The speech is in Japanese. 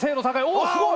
おおすごい！